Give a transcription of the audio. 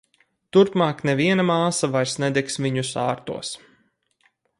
Turpmāk neviena māsa vairs nedegs viņu sārtos!